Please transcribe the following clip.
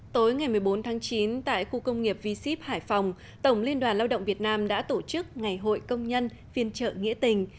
tối ngày một mươi bốn tháng chín tại khu công nghiệp v ship hải phòng tổng liên đoàn lao động việt nam đã tổ chức ngày hội công nhân phiên trợ nghĩa tình